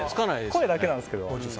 声だけなんですけど。